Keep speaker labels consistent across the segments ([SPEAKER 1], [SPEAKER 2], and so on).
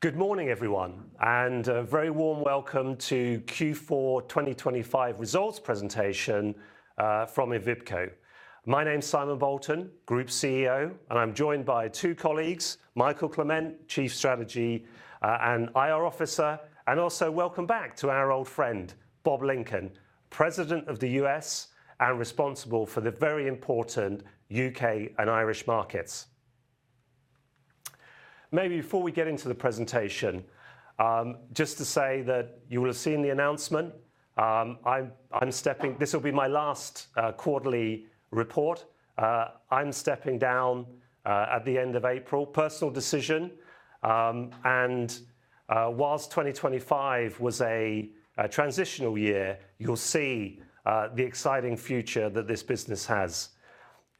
[SPEAKER 1] Good morning, everyone, and a very warm welcome to Q4 2025 results presentation from Envipco. My name's Simon Bolton, Group CEO, and I'm joined by two colleagues, Mikael Clement, Chief Strategy & IR Officer, and also welcome back to our old friend, Bob Lincoln, President of the U.S. and responsible for the very important U.K. and Irish markets. Maybe before we get into the presentation, just to say that you will have seen the announcement. This will be my last quarterly report. I'm stepping down at the end of April. Personal decision. While 2025 was a transitional year, you'll see the exciting future that this business has.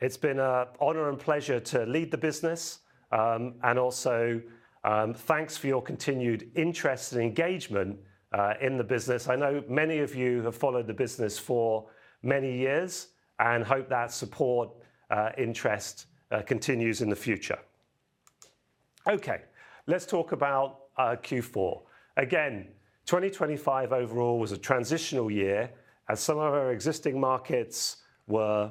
[SPEAKER 1] It's been an honor and pleasure to lead the business, and also thanks for your continued interest and engagement in the business. I know many of you have followed the business for many years and hope that support, interest continues in the future. Okay. Let's talk about Q4. Again, 2025 overall was a transitional year as some of our existing markets were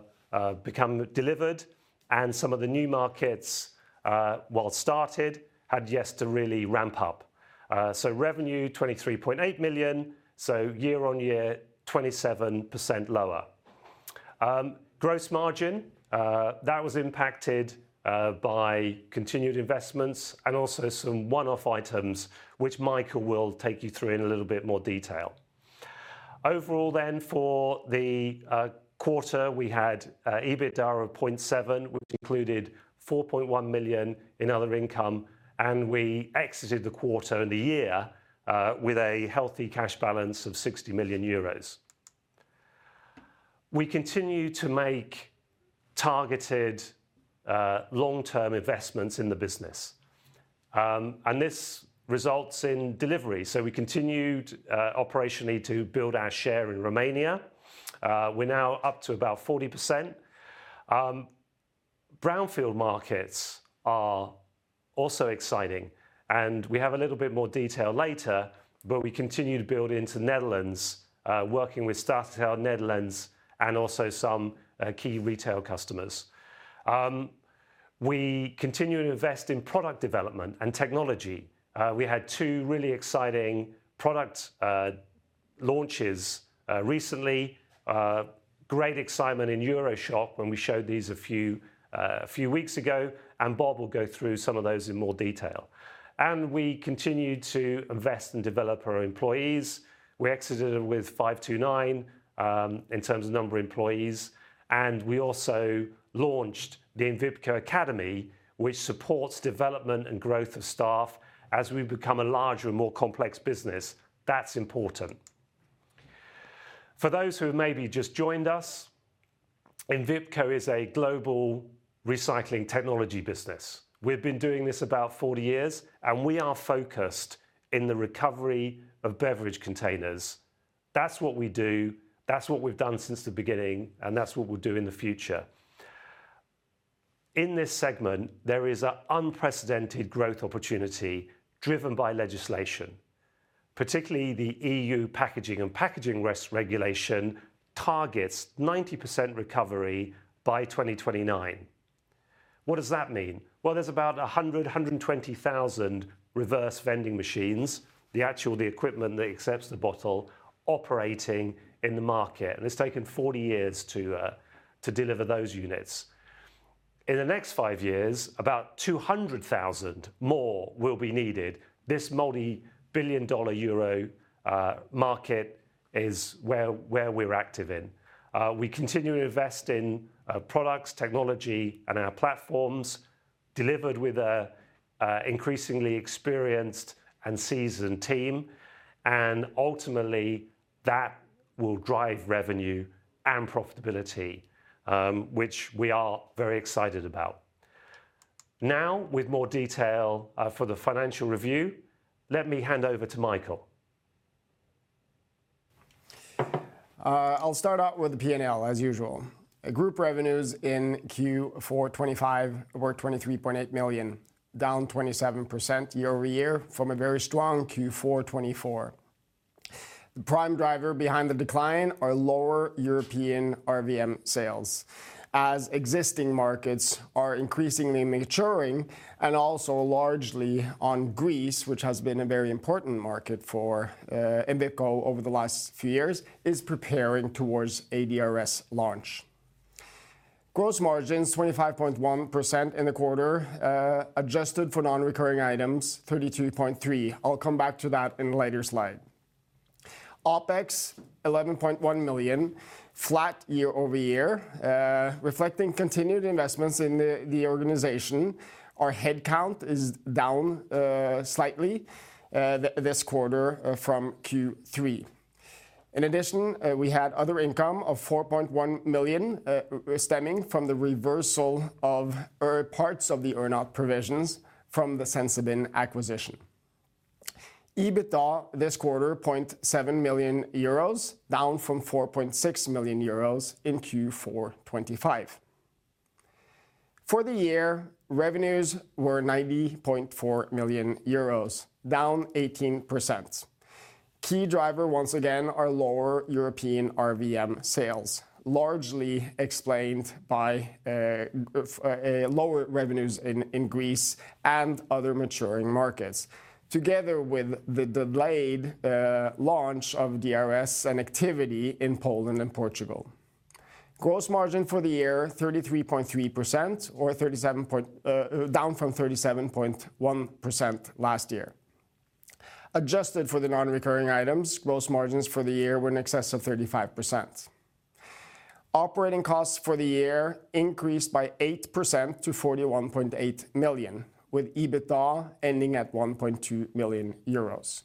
[SPEAKER 1] being delivered and some of the new markets, which started, had yet to really ramp up. Revenue 23.8 million, year-over-year 27% lower. Gross margin, that was impacted by continued investments and also some one-off items which Mikael will take you through in a little bit more detail. Overall for the quarter, we had EBITDA of 0.7 million, which included 4.1 million in other income, and we exited the quarter and the year with a healthy cash balance of 60 million euros. We continue to make targeted, long-term investments in the business, and this results in delivery. We continued operationally to build our share in Romania. We're now up to about 40%. Brownfield markets are also exciting, and we have a little bit more detail later, but we continue to build into Netherlands, working with Statiegeld Nederland and also some key retail customers. We continue to invest in product development and technology. We had two really exciting product launches recently. Great excitement in EuroShop when we showed these a few weeks ago, and Bob will go through some of those in more detail. We continued to invest and develop our employees. We exited with 529 in terms of number of employees, and we also launched the Envipco Academy, which supports development and growth of staff. As we become a larger and more complex business, that's important. For those who maybe just joined us, Envipco is a global recycling technology business. We've been doing this about 40 years, and we are focused in the recovery of beverage containers. That's what we do, that's what we've done since the beginning, and that's what we'll do in the future. In this segment, there is an unprecedented growth opportunity driven by legislation, particularly the EU Packaging and Packaging Waste Regulation targets 90% recovery by 2029. What does that mean? There's about 120,000 reverse vending machines, the equipment that accepts the bottle, operating in the market, and it's taken 40 years to deliver those units. In the next five years, about 200,000 more will be needed. This multi-billion dollar/euro market is where we're active in. We continue to invest in products, technology and our platforms delivered with an increasingly experienced and seasoned team, and ultimately that will drive revenue and profitability, which we are very excited about. Now with more detail for the financial review, let me hand over to Mikael.
[SPEAKER 2] I'll start out with the P&L as usual. Group revenues in Q4 2025 were 23.8 million, down 27% year-over-year from a very strong Q4 2024. The prime driver behind the decline are lower European RVM sales, as existing markets are increasingly maturing and also largely due to Greece, which has been a very important market for Envipco over the last few years, is preparing toward a DRS launch. Gross margins 25.1% in the quarter, adjusted for non-recurring items 32.3%. I'll come back to that in a later slide. OpEx 11.1 million, flat year-over-year, reflecting continued investments in the organization. Our head count is down slightly this quarter from Q3. In addition, we had other income of 4.1 million, stemming from the reversal of parts of the earn-out provisions from the Sensibin acquisition. EBITDA this quarter 0.7 million euros, down from 4.6 million euros in Q4 2025. For the year, revenues were 90.4 million euros, down 18%. Key driver, once again, are lower European RVM sales, largely explained by lower revenues in Greece and other maturing markets, together with the delayed launch of DRS and activity in Poland and Portugal. Gross margin for the year, 33.3% down from 37.1% last year. Adjusted for the non-recurring items, gross margins for the year were in excess of 35%. Operating costs for the year increased by 8% to 41.8 million, with EBITDA ending at 1.2 million euros.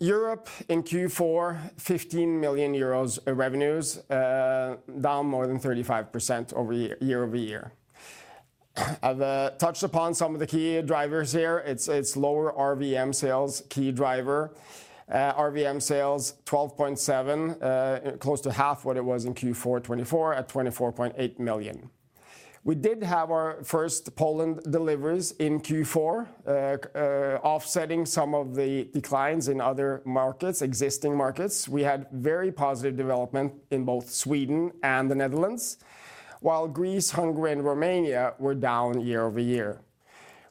[SPEAKER 2] Europe in Q4, 15 million euros revenues, down more than 35% year-over-year. I've touched upon some of the key drivers here. It's lower RVM sales, key driver. RVM sales 12.7 million, close to half what it was in Q4 2024 at 24.8 million. We did have our first Poland deliveries in Q4, offsetting some of the declines in other markets, existing markets. We had very positive development in both Sweden and the Netherlands, while Greece, Hungary, and Romania were down year-over-year.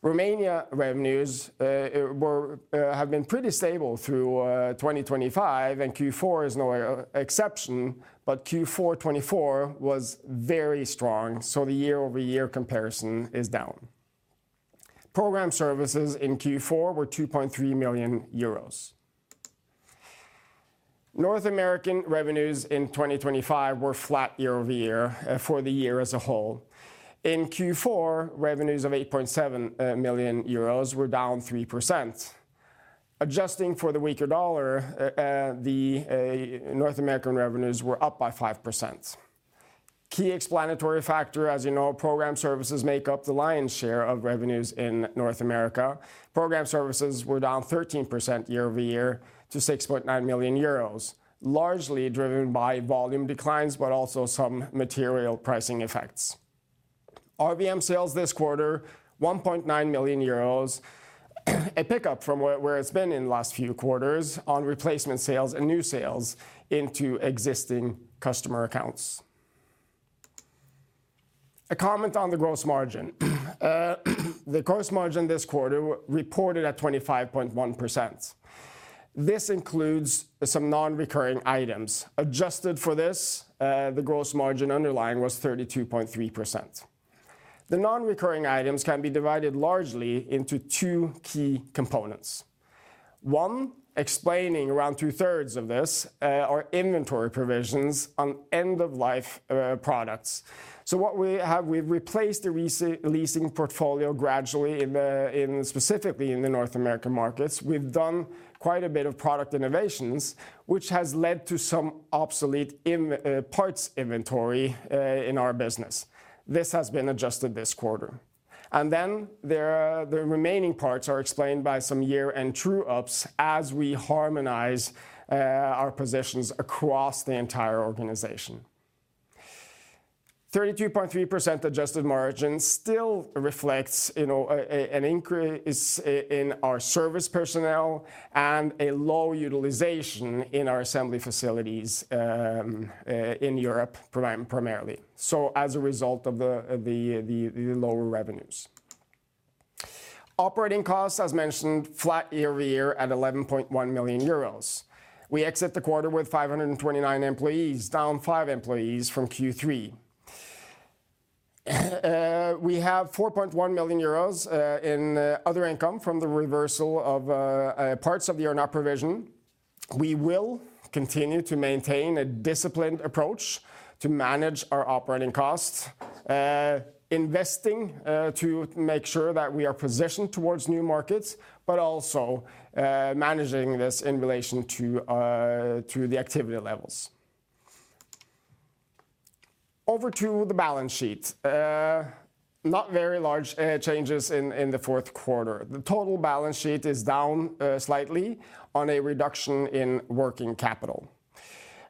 [SPEAKER 2] Romanian revenues have been pretty stable through 2025, and Q4 is no exception, but Q4 2024 was very strong, so the year-over-year comparison is down. Program services in Q4 were 2.3 million euros. North American revenues in 2025 were flat year-over-year for the year as a whole. In Q4, revenues of 8.7 million euros were down 3%. Adjusting for the weaker dollar, the North American revenues were up by 5%. Key explanatory factor, as you know, program services make up the lion's share of revenues in North America. Program services were down 13% year-over-year to 6.9 million euros, largely driven by volume declines but also some material pricing effects. RVM sales this quarter, 1.9 million euros, a pickup from where it's been in the last few quarters on replacement sales and new sales into existing customer accounts. A comment on the gross margin. The gross margin this quarter reported at 25.1%. This includes some non-recurring items. Adjusted for this, the gross margin underlying was 32.3%. The non-recurring items can be divided largely into two key components. One, explaining around 2/3 of this, are inventory provisions on end-of-life products. What we have, we've replaced the leasing portfolio gradually in specifically in the North American markets. We've done quite a bit of product innovations, which has led to some obsolete parts inventory in our business. This has been adjusted this quarter. The remaining parts are explained by some year-end true-ups as we harmonize our positions across the entire organization. 32.3% adjusted margin still reflects an increase in our service personnel and a low utilization in our assembly facilities in Europe primarily. As a result of the lower revenues. Operating costs, as mentioned, flat year-over-year at 11.1 million euros. We exit the quarter with 529 employees, down five employees from Q3. We have 4.1 million euros in other income from the reversal of parts of the earnout provision. We will continue to maintain a disciplined approach to manage our operating costs, investing, to make sure that we are positioned towards new markets, but also, managing this in relation to the activity levels. Over to the balance sheet. Not very large changes in the fourth quarter. The total balance sheet is down slightly on a reduction in working capital.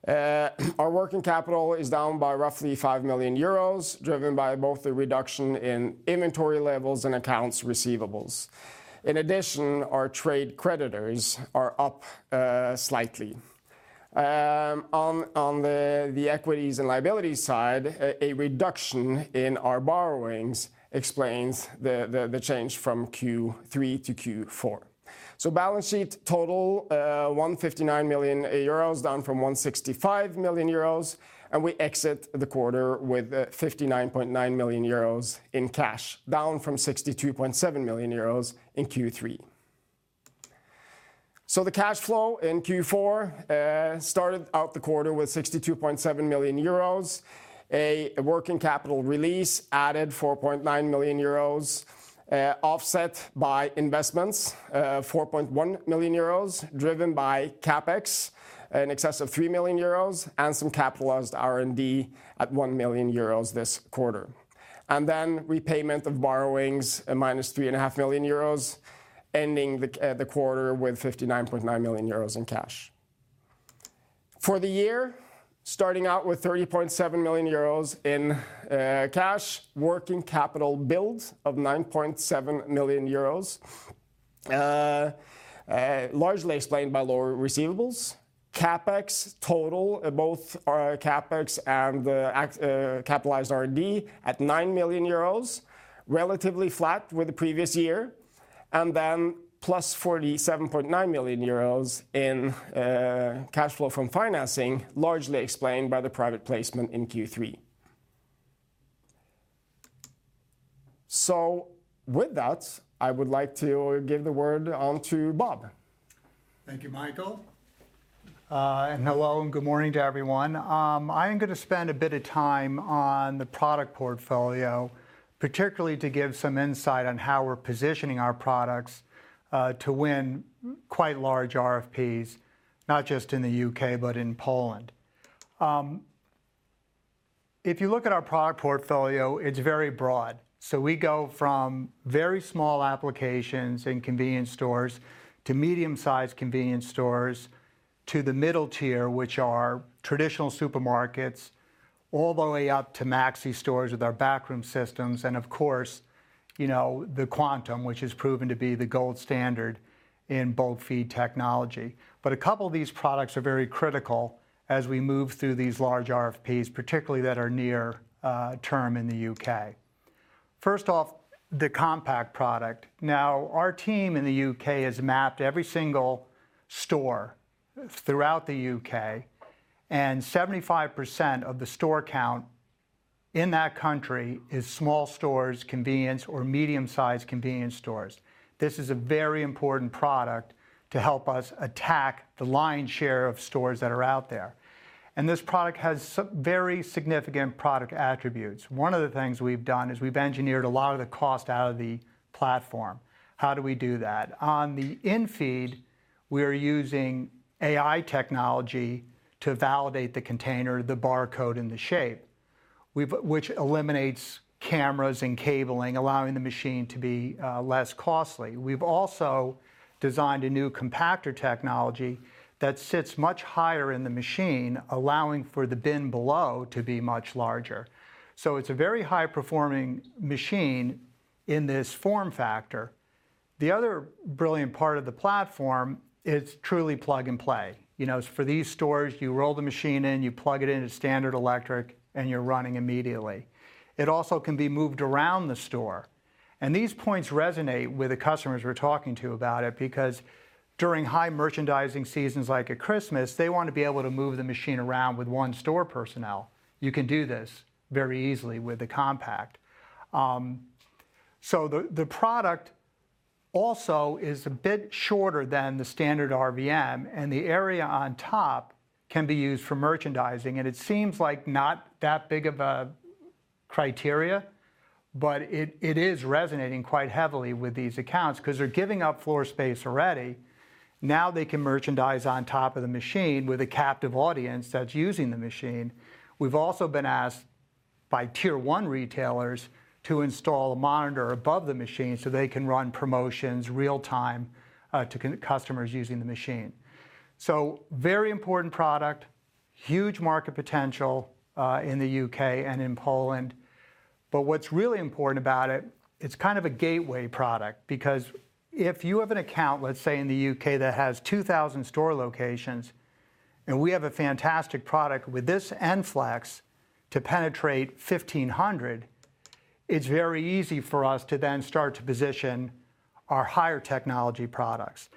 [SPEAKER 2] Our working capital is down by roughly 5 million euros, driven by both the reduction in inventory levels and accounts receivables. In addition, our trade creditors are up slightly. On the equities and liabilities side, a reduction in our borrowings explains the change from Q3 to Q4. Balance sheet total, 159 million euros, down from 165 million euros, and we exit the quarter with 59.9 million euros in cash, down from 62.7 million euros in Q3. The cash flow in Q4 started out the quarter with 62.7 million euros. A working capital release added 4.9 million euros, offset by investments, 4.1 million euros, driven by CapEx in excess of 3 million euros and some capitalized R&D at 1 million euros this quarter. Repayment of borrowings at -3.5 million euros. Ending the quarter with 59.9 million euros in cash. For the year, starting out with 30.7 million euros in cash, working capital build of 9.7 million euros, largely explained by lower receivables. CapEx total, both our CapEx and capitalized R&D at 9 million euros, relatively flat with the previous year, and then plus 47.9 million euros in cash flow from financing, largely explained by the private placement in Q3. With that, I would like to give the word on to Bob.
[SPEAKER 3] Thank you, Mikael. Hello, and good morning to everyone. I am gonna spend a bit of time on the product portfolio, particularly to give some insight on how we're positioning our products, to win quite large RFPs, not just in the U.K., but in Poland. If you look at our product portfolio, it's very broad. We go from very small applications in convenience stores to medium-sized convenience stores to the middle tier, which are traditional supermarkets, all the way up to maxi stores with our backroom systems, and of course, you know, the Quantum, which has proven to be the gold standard in bulk feed technology. A couple of these products are very critical as we move through these large RFPs, particularly that are near-term in the U.K. First off, the Compact product. Now, our team in the UK has mapped every single store throughout the UK, and 75% of the store count in that country is small stores, convenience or medium-sized convenience stores. This is a very important product to help us attack the lion's share of stores that are out there. This product has very significant product attributes. One of the things we've done is we've engineered a lot of the cost out of the platform. How do we do that? On the in-feed, we're using AI technology to validate the container, the barcode, and the shape. Which eliminates cameras and cabling, allowing the machine to be less costly. We've also designed a new compactor technology that sits much higher in the machine, allowing for the bin below to be much larger. It's a very high-performing machine in this form factor. The other brilliant part of the platform, it's truly plug and play. You know, for these stores, you roll the machine in, you plug it in, it's standard electric, and you're running immediately. It also can be moved around the store. These points resonate with the customers we're talking to about it, because during high merchandising seasons like at Christmas, they want to be able to move the machine around with one store personnel. You can do this very easily with the Compact. The product also is a bit shorter than the standard RVM, and the area on top can be used for merchandising. It seems like not that big of a criteria, but it is resonating quite heavily with these accounts because they're giving up floor space already. Now they can merchandise on top of the machine with a captive audience that's using the machine. We've also been asked by tier one retailers to install a monitor above the machine so they can run promotions real-time to customers using the machine. Very important product, huge market potential in the U.K and in Poland. What's really important about it's kind of a gateway product, because if you have an account, let's say in the U.K., that has 2,000 store locations, and we have a fantastic product with this Flex to penetrate 1,500, it's very easy for us to then start to position our higher technology products.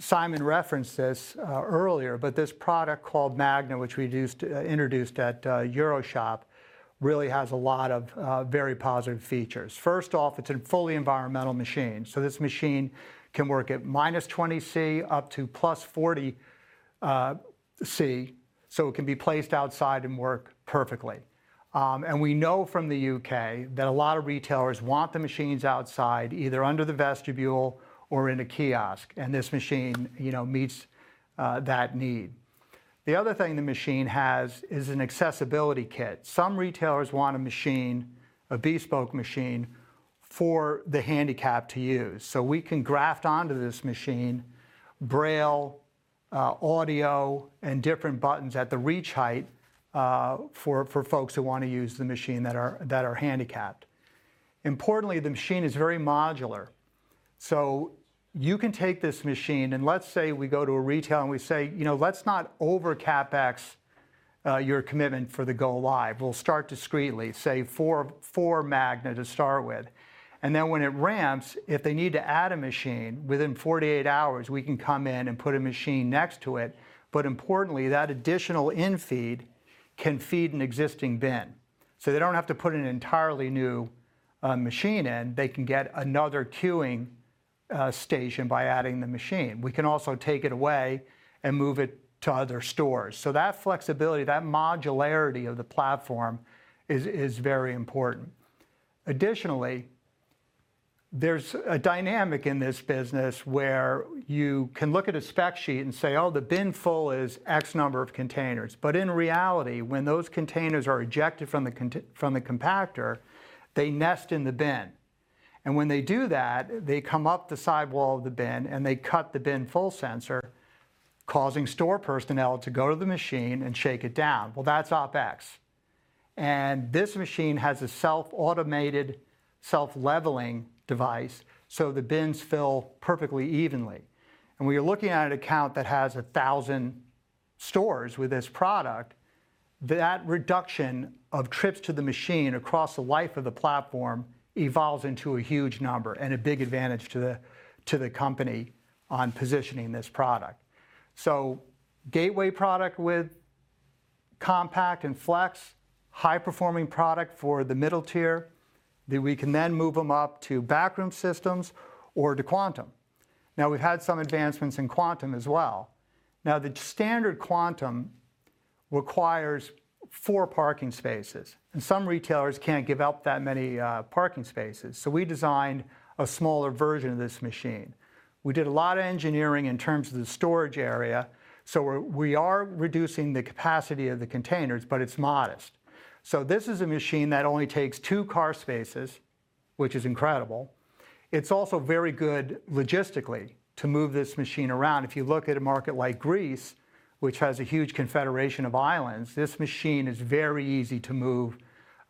[SPEAKER 3] Simon referenced this earlier, but this product called Magna, which we introduced at EuroShop, really has a lot of very positive features. First off, it's a fully environmental machine. This machine can work at -20 degrees Celsius up to +40 degrees Celsius, so it can be placed outside and work perfectly. We know from the U.K. that a lot of retailers want the machines outside, either under the vestibule or in a kiosk, and this machine, you know, meets that need. The other thing the machine has is an accessibility kit. Some retailers want a machine, a bespoke machine, for the handicapped to use. We can graft onto this machine braille, audio, and different buttons at the reach height for folks who wanna use the machine that are handicapped. Importantly, the machine is very modular. You can take this machine, and let's say we go to a retailer and we say, "You know, let's not over CapEx your commitment for the go-live. We'll start discreetly, say four Magna to start with. When it ramps, if they need to add a machine, within 48 hours, we can come in and put a machine next to it. Importantly, that additional in-feed can feed an existing bin. They don't have to put an entirely new machine in. They can get another queuing station by adding the machine. We can also take it away and move it to other stores. That flexibility, that modularity of the platform is very important. Additionally, there's a dynamic in this business where you can look at a spec sheet and say, "Oh, the bin full is X number of containers." In reality, when those containers are ejected from the compactor, they nest in the bin. When they do that, they come up the sidewall of the bin, and they cut the bin full sensor, causing store personnel to go to the machine and shake it down. Well, that's OpEx. This machine has a self-automated, self-leveling device, so the bins fill perfectly evenly. We are looking at an account that has 1,000 stores with this product, that reduction of trips to the machine across the life of the platform evolves into a huge number and a big advantage to the company on positioning this product. Gateway product with Compact and Flex, high-performing product for the middle tier, that we can then move them up to backroom systems or to Quantum. Now, we've had some advancements in Quantum as well. Now, the standard Quantum requires four parking spaces, and some retailers can't give up that many parking spaces. We designed a smaller version of this machine. We did a lot of engineering in terms of the storage area, so we are reducing the capacity of the containers, but it's modest. This is a machine that only takes two car spaces, which is incredible. It's also very good logistically to move this machine around. If you look at a market like Greece, which has a huge confederation of islands, this machine is very easy to move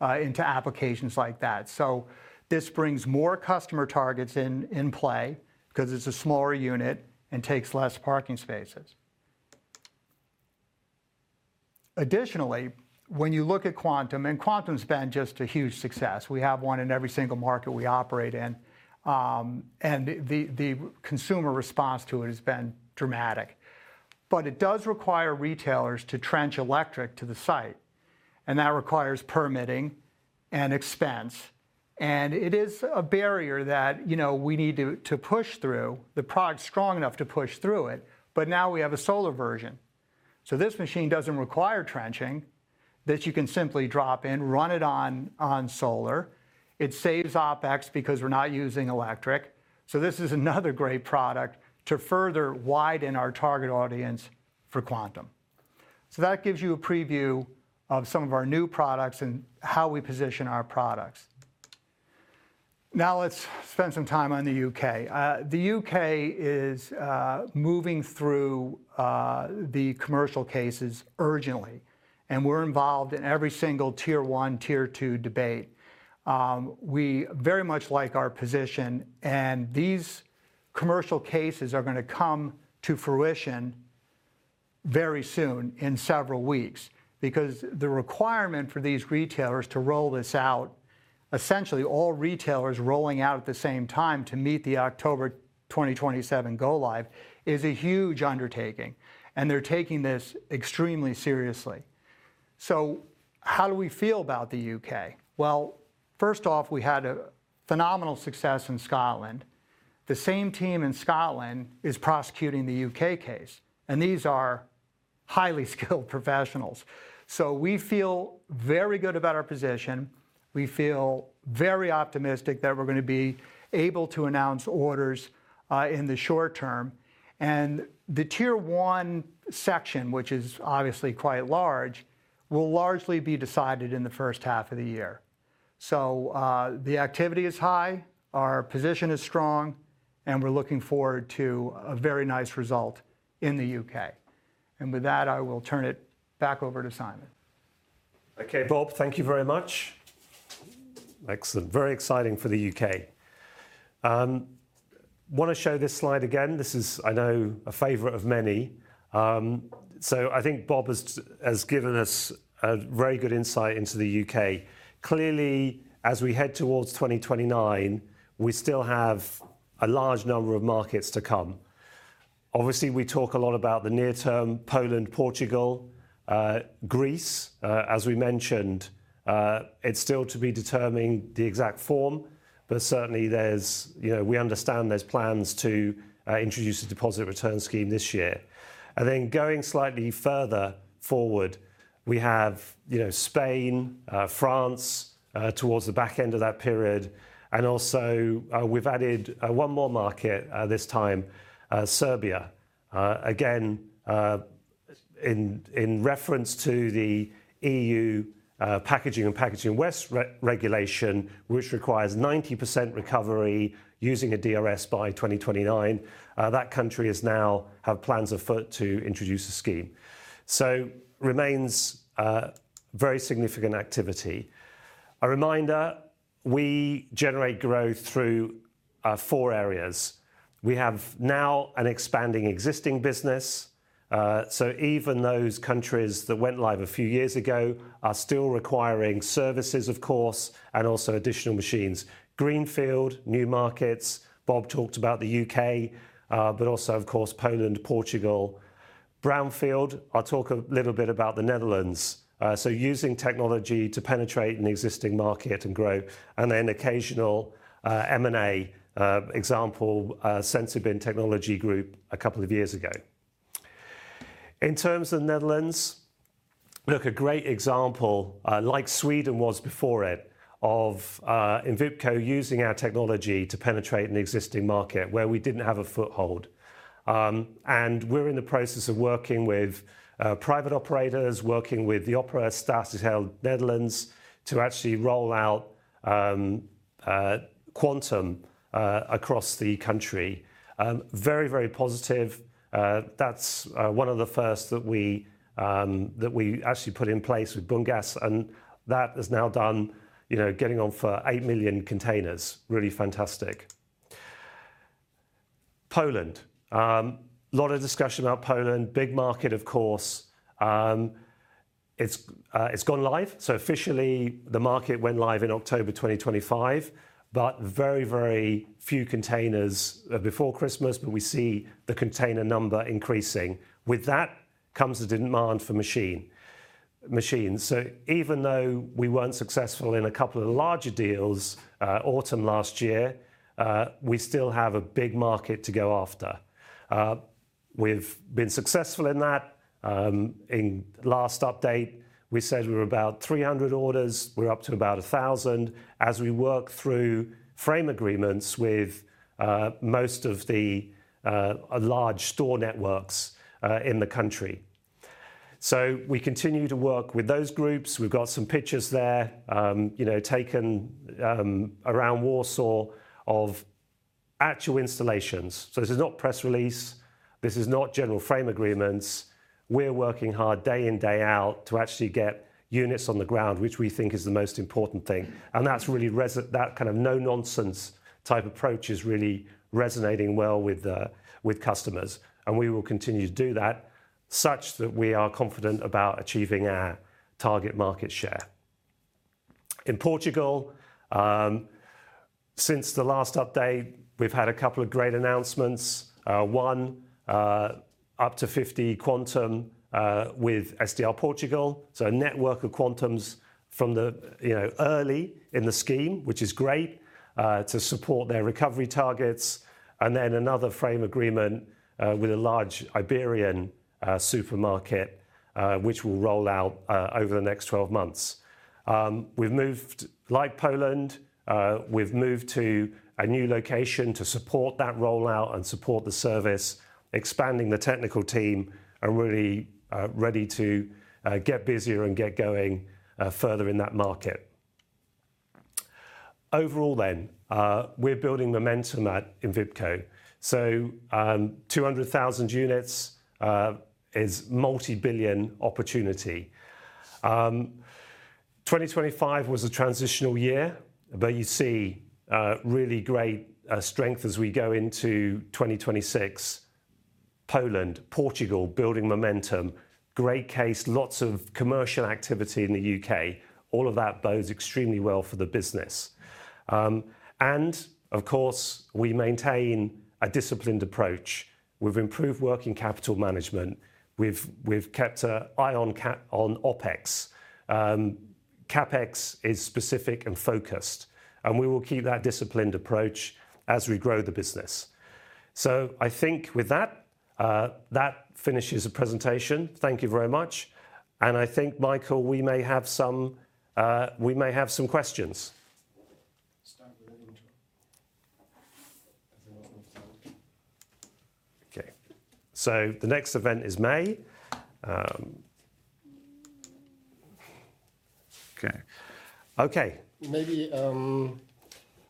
[SPEAKER 3] into applications like that. This brings more customer targets in play because it's a smaller unit and takes less parking spaces. Additionally, when you look at Quantum, and Quantum's been just a huge success. We have one in every single market we operate in, and the consumer response to it has been dramatic. It does require retailers to trench electric to the site, and that requires permitting and expense, and it is a barrier that, you know, we need to push through. The product's strong enough to push through it. Now we have a solar version. This machine doesn't require trenching, that you can simply drop in, run it on solar. It saves OpEx because we're not using electric. This is another great product to further widen our target audience for Quantum. That gives you a preview of some of our new products and how we position our products. Now let's spend some time on the U.K. The U.K. is moving through the commercial cases urgently, and we're involved in every single tier one, tier two debate. We very much like our position, and these commercial cases are gonna come to fruition very soon in several weeks because the requirement for these retailers to roll this out, essentially all retailers rolling out at the same time to meet the October 2027 go live, is a huge undertaking, and they're taking this extremely seriously. How do we feel about the U.K.? Well, first off, we had a phenomenal success in Scotland. The same team in Scotland is prosecuting the U.K. case, and these are highly skilled professionals. We feel very good about our position. We feel very optimistic that we're gonna be able to announce orders in the short term. The tier one section, which is obviously quite large, will largely be decided in the first half of the year. The activity is high, our position is strong, and we're looking forward to a very nice result in the U.K. With that, I will turn it back over to Simon.
[SPEAKER 1] Okay, Bob, thank you very much. Excellent. Very exciting for the U.K. Wanna show this slide again. This is, I know, a favorite of many. I think Bob has given us a very good insight into the U.K. Clearly, as we head towards 2029, we still have a large number of markets to come. Obviously, we talk a lot about the near term, Poland, Portugal, Greece, as we mentioned. It's still to be determined the exact form, but certainly there's, you know, we understand there's plans to introduce a Deposit Return Scheme this year. Going slightly further forward, we have, you know, Spain, France, towards the back end of that period. Also, we've added one more market, this time, Serbia. Again, in reference to the EU Packaging and Packaging Waste Regulation, which requires 90% recovery using a DRS by 2029, that country now has plans afoot to introduce a scheme. Remains very significant activity. A reminder, we generate growth through four areas. We have now an expanding existing business, so even those countries that went live a few years ago are still requiring services, of course, and also additional machines. Greenfield, new markets. Bob talked about the U.K., but also of course, Poland, Portugal. Brownfield. I'll talk a little bit about the Netherlands, using technology to penetrate an existing market and grow. Occasional M&A, example, Sensibin Ltd. couple of years ago. In terms of the Netherlands, look, a great example, like Sweden was before it, of Envipco using our technology to penetrate an existing market where we didn't have a foothold. We're in the process of working with private operators, working with Statiegeld Nederland to actually roll out Quantum across the country. Very, very positive. That's one of the first that we actually put in place with Bungas, and that has now done, you know, getting on for 8 million containers. Really fantastic. Poland. A lot of discussion about Poland. Big market, of course. It's gone live. Officially, the market went live in October 2025, but very, very few containers before Christmas, but we see the container number increasing. With that comes the demand for machines. Even though we weren't successful in a couple of larger deals, autumn last year, we still have a big market to go after. We've been successful in that. In last update, we said we were about 300 orders. We're up to about 1,000 as we work through frame agreements with most of the large store networks in the country. We continue to work with those groups. We've got some pictures there, you know, taken around Warsaw of actual installations. This is not press release. This is not general frame agreements. We're working hard day in, day out to actually get units on the ground, which we think is the most important thing, and that's really that kind of no-nonsense type approach is really resonating well with customers, and we will continue to do that such that we are confident about achieving our target market share. In Portugal, since the last update, we've had a couple of great announcements. One, up to 50 Quantum with SDR Portugal, so a network of Quantums from the, you know, early in the scheme, which is great to support their recovery targets, and then another framework agreement with a large Iberian supermarket, which will roll out over the next 12 months. Like Poland, we've moved to a new location to support that rollout and support the service, expanding the technical team, and really ready to get busier and get going further in that market. Overall, we're building momentum at Envipco. 200,000 units is multi-billion opportunity. 2025 was a transitional year, but you see really great strength as we go into 2026. Poland, Portugal building momentum. Great case. Lots of commercial activity in the UK. All of that bodes extremely well for the business. Of course, we maintain a disciplined approach. We've improved working capital management. We've kept an eye on OpEx. CapEx is specific and focused, and we will keep that disciplined approach as we grow the business. I think with that finishes the presentation. Thank you very much. I think, Mikael, we may have some questions. Okay. The next event is May. Okay.
[SPEAKER 2] Maybe,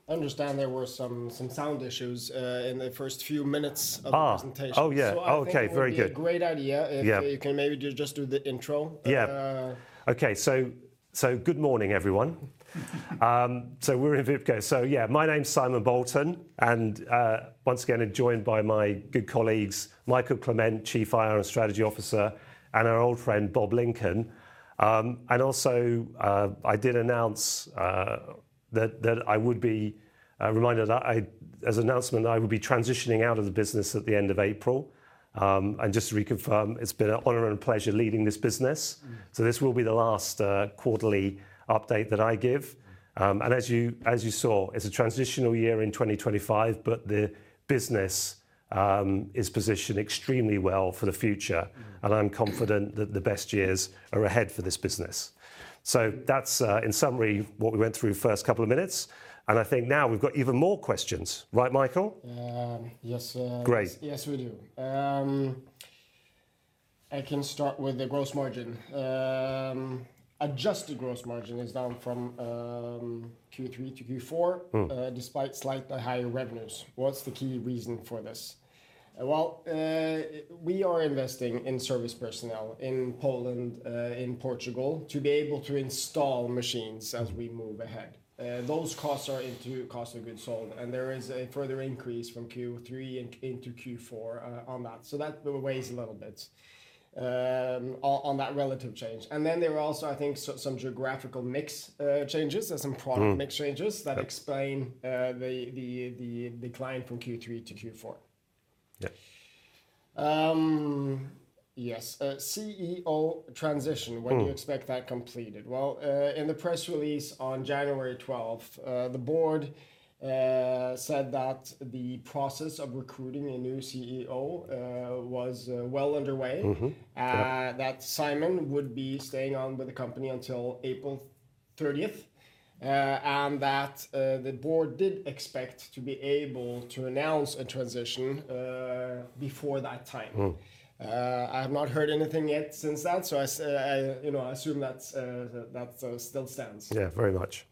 [SPEAKER 2] understand there were some sound issues in the first few minutes of the presentation.
[SPEAKER 1] Oh, yeah. Okay. Very good.
[SPEAKER 2] It would be a great idea if.
[SPEAKER 1] Yeah
[SPEAKER 2] You can maybe just do the intro.
[SPEAKER 1] Good morning, everyone. We're Envipco. My name's Simon Bolton, and once again, I'm joined by my good colleagues, Mikael Clement, Chief Strategy & IR Officer, and our old friend, Bob Lincoln. Also, I did announce that I would be transitioning out of the business at the end of April. Just to reconfirm, it's been an honor and pleasure leading this business. This will be the last quarterly update that I give. As you saw, it's a transitional year in 2025, but the business is positioned extremely well for the future, and I'm confident that the best years are ahead for this business. That's, in summary, what we went through first couple of minutes, and I think now we've got even more questions. Right, Mikael?
[SPEAKER 2] Yes.
[SPEAKER 1] Great
[SPEAKER 2] Yes, we do. I can start with the gross margin. Adjusted gross margin is down from Q3 to Q4 despite slightly higher revenues. What's the key reason for this? Well, we are investing in service personnel in Poland, in Portugal, to be able to install machines as we move ahead. Those costs are into cost of goods sold, and there is a further increase from Q3 into Q4, on that. That weighs a little bit, on that relative change. Then there are also, I think, some geographical mix changes and some product mix changes that explain the decline from Q3 to Q4.
[SPEAKER 1] Yeah.
[SPEAKER 2] Yes. CEO transition. When do you expect that completed? Well, in the press release on January twelfth, the board said that the process of recruiting a new CEO was well underway, that Simon would be staying on with the company until April 30th 2026, and that the board did expect to be able to announce a transition before that time. I have not heard anything yet since that, so I, you know, assume that still stands.
[SPEAKER 1] Yeah, very much.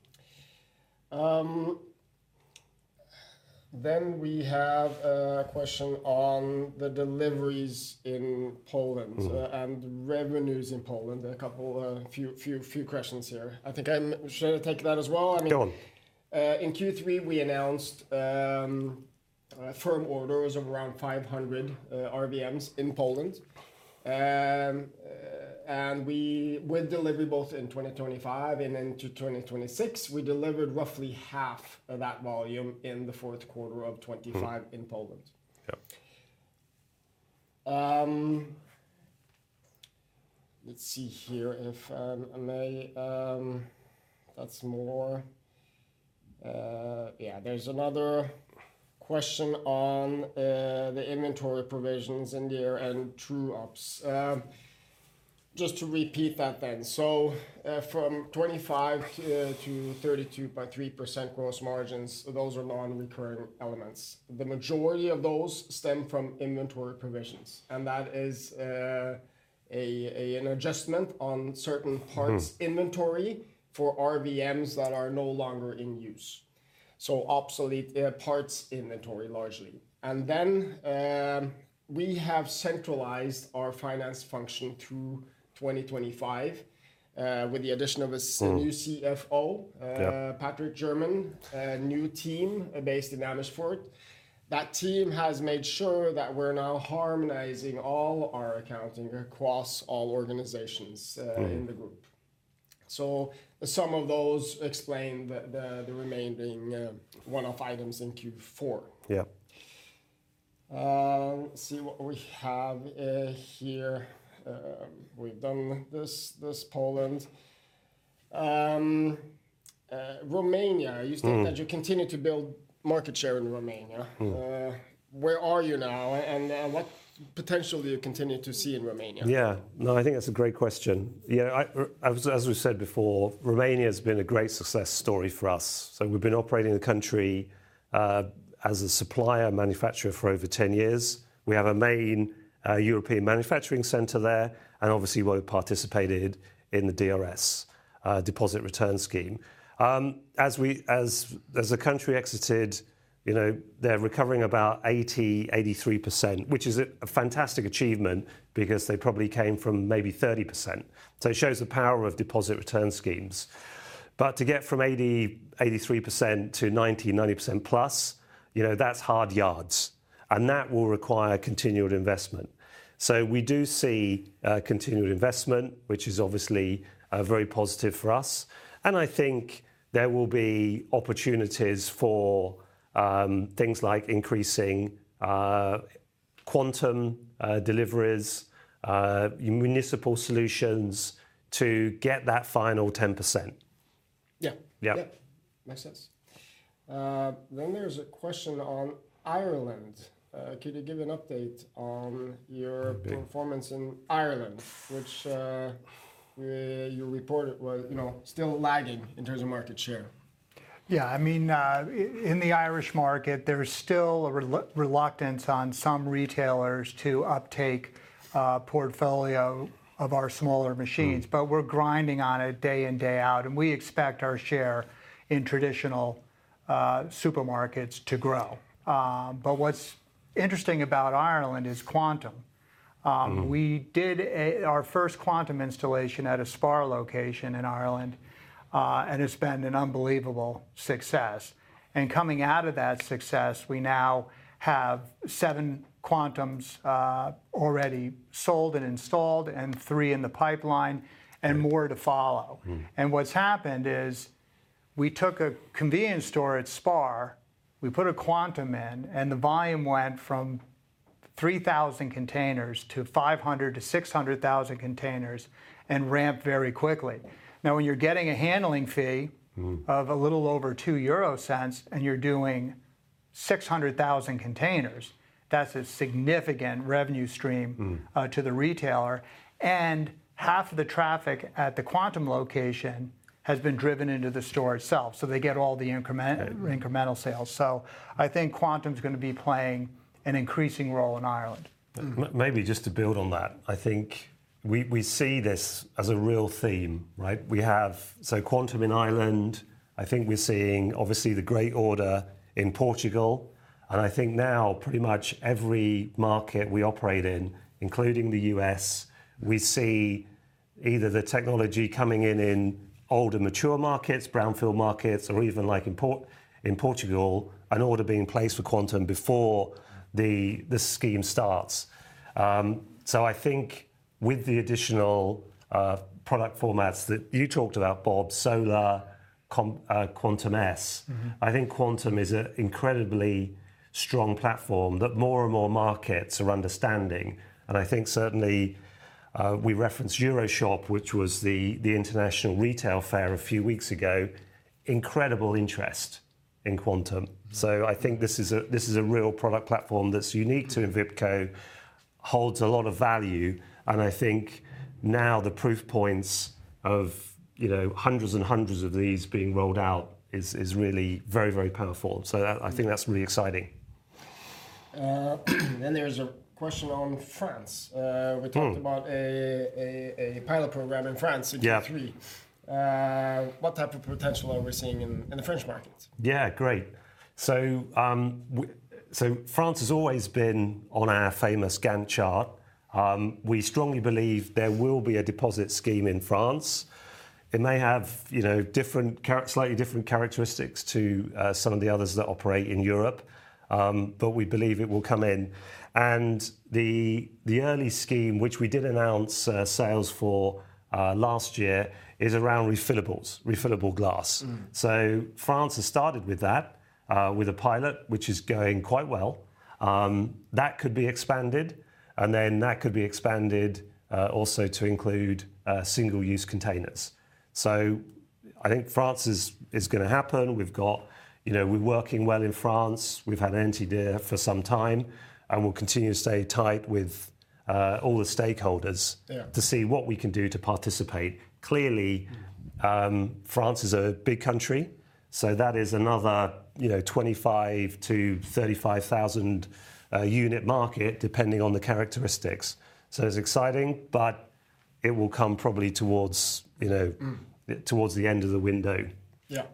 [SPEAKER 2] We have a question on the deliveries in Poland.Revenues in Poland. A couple, few questions here. Shall I take that as well?
[SPEAKER 1] Go on.
[SPEAKER 2] In Q3 we announced firm orders of around 500 RVMs in Poland. With delivery both in 2025 and into 2026. We delivered roughly half of that volume in the fourth quarter of 2025 in Poland.
[SPEAKER 1] Yeah.
[SPEAKER 2] There's another question on the inventory provisions in there and true ups. Just to repeat that then. From 25%-32.3% gross margins, those are non-recurring elements. The majority of those stem from inventory provisions, and that is an adjustment on certain parts. Inventory for RVMs that are no longer in use. Obsolete parts inventory largely. We have centralized our finance function through 2025 with the addition of a new CFO.
[SPEAKER 1] Yeah.
[SPEAKER 2] A new team based in Amersfoort. That team has made sure that we're now harmonizing all our accounting across all organizations in the group. Some of those explain the remaining one-off items in Q4.
[SPEAKER 1] Yeah.
[SPEAKER 2] See what we have here. We've done this Poland. Romania. You state that you continue to build market share in Romania. Where are you now and what potential do you continue to see in Romania?
[SPEAKER 1] I think that's a great question. As we've said before, Romania has been a great success story for us. We've been operating in the country as a supplier and manufacturer for over 10 years. We have a main European manufacturing center there, and obviously we've participated in the DRS, deposit return scheme. As the country exited, you know, they're recovering about 83%, which is a fantastic achievement because they probably came from maybe 30%. It shows the power of deposit return schemes. To get from 83% to 90%+, you know, that's hard yards, and that will require continued investment. We do see continued investment, which is obviously very positive for us. I think there will be opportunities for things like increasing Quantum deliveries, municipal solutions to get that final 10%.
[SPEAKER 2] Yeah.
[SPEAKER 1] Yeah.
[SPEAKER 2] Yeah. Makes sense. There's a question on Ireland. Could you give an update on your performance in Ireland, which you reported was, still lagging in terms of market share.
[SPEAKER 3] Yeah. I mean, in the Irish market, there is still a reluctance on some retailers to uptake a portfolio of our smaller machines. We're grinding on it day in, day out, and we expect our share in traditional supermarkets to grow. What's interesting about Ireland is Quantum We did our first Quantum installation at a SPAR location in Ireland, and it's been an unbelievable success. Coming out of that success, we now have seven Quantums already sold and installed, and three in the pipeline, and more to follow. What's happened is we took a convenience store at SPAR, we put a Quantum in, and the volume went from 3,000 containers to 500,000 to 600,000 containers and ramped very quickly. Now, when you're getting a handling fee of a little over 0.02 and you're doing 600,000 containers, that's a significant revenue stream to the retailer. Half of the traffic at the Quantum location has been driven into the store itself, so they get all the incremental sales. I think Quantum's gonna be playing an increasing role in Ireland.
[SPEAKER 1] Maybe just to build on that, I think we see this as a real theme, right? We have Quantum in Ireland, I think we're seeing obviously the great order in Portugal. I think now pretty much every market we operate in, including the U.S., we see either the technology coming in old and mature markets, brownfield markets, or even like in Portugal, an order being placed for Quantum before the scheme starts. I think with the additional product formats that you talked about, Bob, smaller, Quantum S. I think Quantum is an incredibly strong platform that more and more markets are understanding. I think certainly, we referenced EuroShop, which was the international retail fair a few weeks ago, incredible interest in Quantum. I think this is a real product platform that's unique to Envipco and holds a lot of value, and I think now the proof points of, you know, hundreds and hundreds of these being rolled out is really very powerful. That, I think that's really exciting.
[SPEAKER 2] There's a question on France. We talked about a pilot program in France.
[SPEAKER 1] Yeah
[SPEAKER 2] in Q3. What type of potential are we seeing in the French market?
[SPEAKER 1] Yeah, great. France has always been on our famous Gantt chart. We strongly believe there will be a deposit scheme in France. It may have, you know, slightly different characteristics to some of the others that operate in Europe, but we believe it will come in. The early scheme, which we did announce sales for last year, is around refillables, refillable glass. France has started with that, with a pilot, which is going quite well. That could be expanded, and then that could be expanded also to include single-use containers. I think France is gonna happen. We've got you know, we're working well in France. We've had Andy there for some time, and we'll continue to stay tight with all the stakeholders to see what we can do to participate. Clearly France is a big country, so that is another, you know, 25,000-35,000 unit market, depending on the characteristics. It's exciting, but it will come probably towards, you know, towards the end of the window.
[SPEAKER 2] Yeah.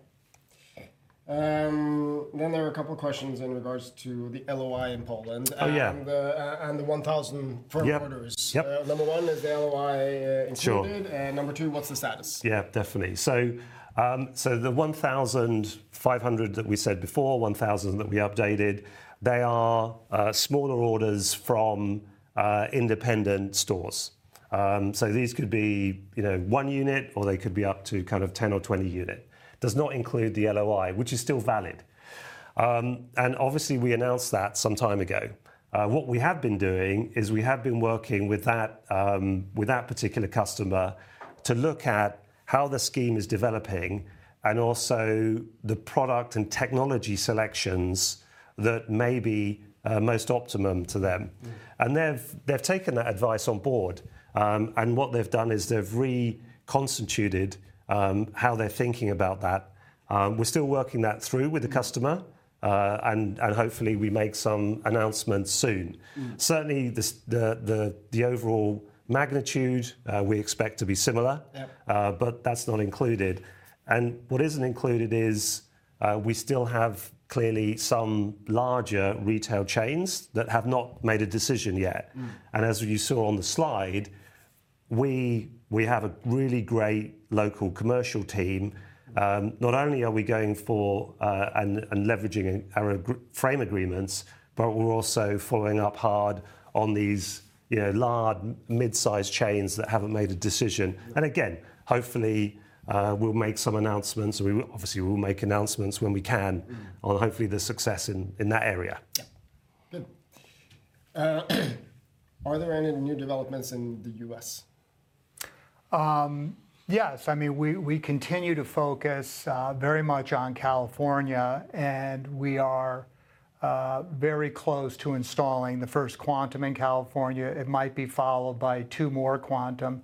[SPEAKER 2] There are a couple questions in regards to the LOI in Poland.
[SPEAKER 1] Oh, yeah.
[SPEAKER 2] The 1,000 firm orders.
[SPEAKER 1] Yep.
[SPEAKER 2] Number 1, is the LOI included?
[SPEAKER 1] Sure.
[SPEAKER 2] Number two, what's the status?
[SPEAKER 1] Yeah, definitely. The 1,500 that we said before, 1,000 that we updated, they are smaller orders from independent stores. These could be, you know, one unit or they could be up to kind of 10 or 20 unit. Does not include the LOI, which is still valid. Obviously we announced that some time ago. What we have been doing is we have been working with that, with that particular customer to look at how the scheme is developing and also the product and technology selections that may be most optimum to them.. They've taken that advice on board. What they've done is they've reconstituted how they're thinking about that. We're still working that through with the customer. Hopefully we make some announcements soon. Certainly the overall magnitude, we expect to be similar. That's not included. What isn't included is, we still have clearly some larger retail chains that have not made a decision yet. As you saw on the slide, we have a really great local commercial team. Not only are we going for and leveraging our framework agreements, but we're also following up hard on these, you know, large mid-sized chains that haven't made a decision. Again, hopefully, we'll make some announcements and we will obviously make announcements when we can on hopefully the success in that area.
[SPEAKER 2] Yeah. Good. Are there any new developments in the U.S.?
[SPEAKER 3] Yes. I mean, we continue to focus very much on California, and we are very close to installing the first Quantum in California. It might be followed by two more Quantum.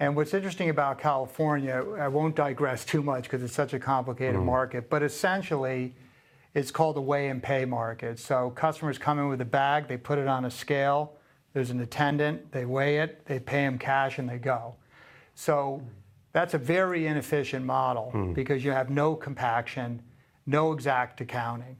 [SPEAKER 3] What's interesting about California, I won't digress too much 'cause it's such a complicated market. Essentially, it's called a Weigh and Pay market. Customers come in with a bag, they put it on a scale, there's an attendant, they weigh it, they pay him cash, and they go. That's a very inefficient model. Because you have no compaction, no exact accounting.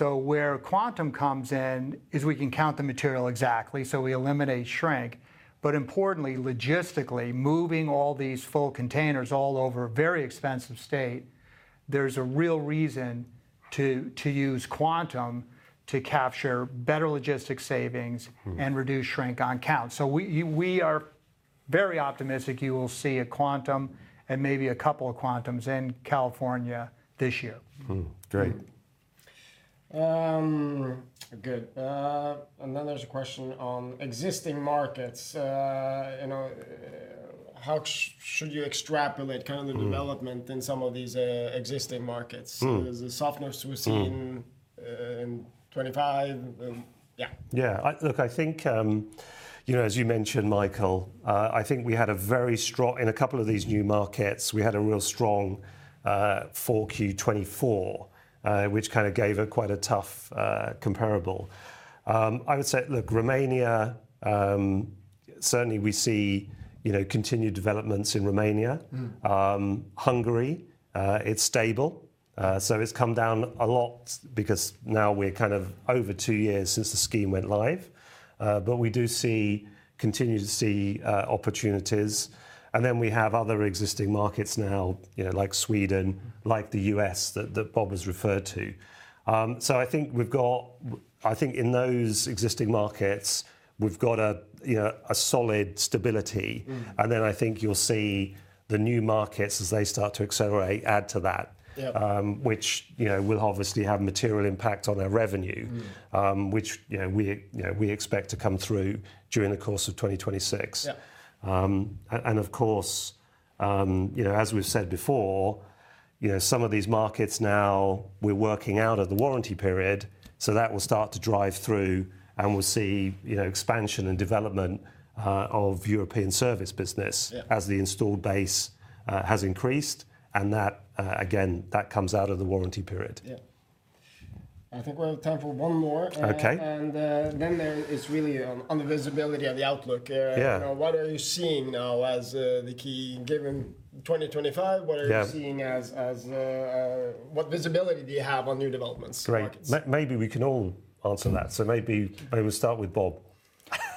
[SPEAKER 3] Where Quantum comes in is we can count the material exactly, so we eliminate shrink. Importantly, logistically, moving all these full containers all over a very expensive state, there's a real reason to use Quantum to capture better logistics savings and reduce shrink on count. We are very optimistic you will see a Quantum and maybe a couple of Quantums in California this year.
[SPEAKER 1] Great.
[SPEAKER 2] Good. There's a question on existing markets. You know, how should you extrapolate kind of the development in some of these existing markets? Is it softness we've seen in 2025? Yeah.
[SPEAKER 1] Yeah. Look, I think, you know, as you mentioned, Mikael, in a couple of these new markets, we had a real strong for Q24, which kind of gave quite a tough comparable. I would say, look, Romania, certainly we see, you know, continued developments in Romania. Hungary, it's stable. It's come down a lot because now we're kind of over two years since the scheme went live. We continue to see opportunities. Then we have other existing markets now, you know, like Sweden. Like the U.S. that Bob has referred to. I think in those existing markets, we've got a, you know, a solid stability. I think you'll see the new markets as they start to accelerate add to that which, you know, will obviously have a material impact on their revenue which you know we expect to come through during the course of 2026.
[SPEAKER 2] Yeah.
[SPEAKER 1] Of course, you know, as we've said before. You know, some of these markets now we're working out of the warranty period, so that will start to drive through, and we'll see, you know, expansion and development of European service business as the installed base has increased, and that again comes out of the warranty period.
[SPEAKER 2] Yeah. I think we have time for one more.
[SPEAKER 1] Okay.
[SPEAKER 2] There is reliance on the visibility of the outlook.
[SPEAKER 1] Yeah
[SPEAKER 2] You know, what are you seeing now as the key given 2025?
[SPEAKER 1] Yeah
[SPEAKER 2] What are you seeing as what visibility do you have on new developments in markets?
[SPEAKER 1] Great. Maybe we can all answer that. Maybe we start with Bob.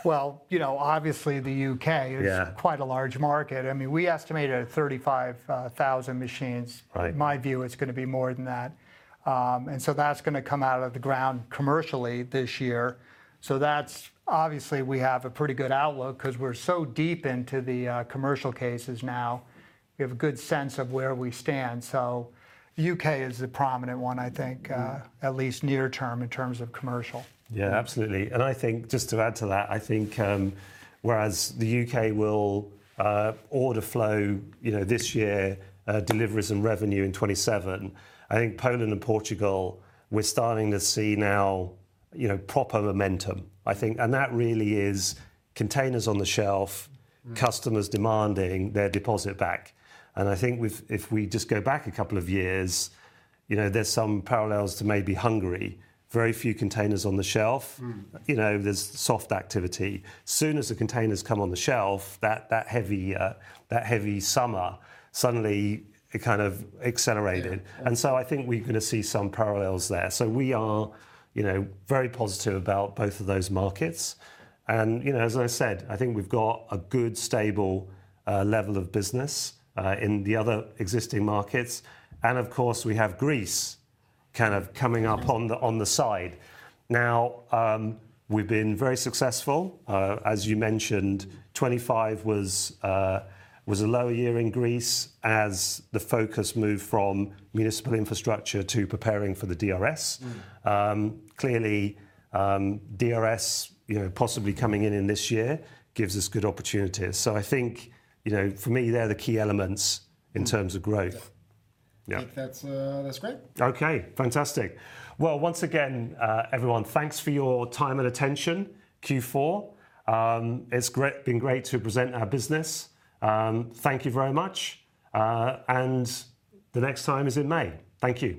[SPEAKER 3] Well, you know, obviously the U.K., is quite a large market. I mean, we estimated 35,000 machines.
[SPEAKER 1] Right.
[SPEAKER 3] In my view, it's gonna be more than that. That's gonna come out of the ground commercially this year. Obviously, we have a pretty good outlook 'cause we're so deep into the commercial cases now. We have a good sense of where we stand. U.K. is the prominent one, I think, at least near term in terms of commercial.
[SPEAKER 1] Yeah, absolutely. I think just to add to that, I think, whereas the U.K. will order flow, you know, this year, deliveries and revenue in 2027, I think Poland and Portugal, we're starting to see now, you know, proper momentum. I think that really is containers on the shelf. Customers demanding their deposit back, and I think what if we just go back a couple of years, you know, there's some parallels to maybe Hungary. Very few containers on the shelf You know, there's soft activity. Soon as the containers come on the shelf, that heavy summer, suddenly it kind of accelerated.
[SPEAKER 2] Yeah.
[SPEAKER 1] I think we're gonna see some parallels there. We are, you know, very positive about both of those markets. You know, as I said, I think we've got a good, stable level of business in the other existing markets, and of course we have Greece kind of coming up on the side. Now, we've been very successful. As you mentioned, 2025 was a low year in Greece as the focus moved from municipal infrastructure to preparing for the DRS. Clearly, DRS, you know, possibly coming in this year gives us good opportunities. I think, you know, for me, they're the key elements in terms of growth.
[SPEAKER 2] Yeah.
[SPEAKER 1] Yeah.
[SPEAKER 2] I think that's great.
[SPEAKER 1] Okay. Fantastic. Well, once again, everyone, thanks for your time and attention, Q4. It's been great to present our business. Thank you very much. The next time is in May. Thank you.